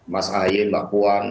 mas ahaya dan mbak puan